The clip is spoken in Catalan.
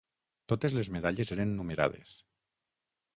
Totes les medalles eren numerades.